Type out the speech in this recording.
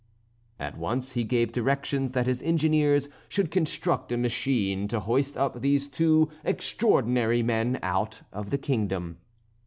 At once he gave directions that his engineers should construct a machine to hoist up these two extraordinary men out of the kingdom.